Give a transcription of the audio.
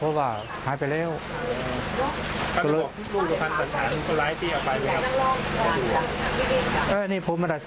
สองสามีภรรยาคู่นี้มีอาชีพ